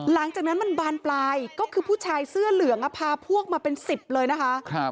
หลังจากนั้นมันบานปลายก็คือผู้ชายเสื้อเหลืองพาพวกมาเป็น๑๐เลยนะคะ